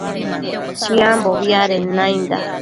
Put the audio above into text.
Chiambobi adenda nainda